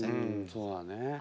そうだね。